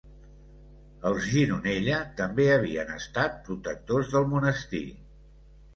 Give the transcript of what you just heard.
Els Gironella també havien estat protectors del monestir.